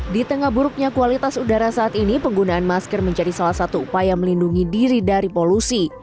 di tengah buruknya kualitas udara saat ini penggunaan masker menjadi salah satu upaya melindungi diri dari polusi